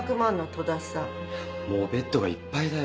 もうベッドがいっぱいだよ。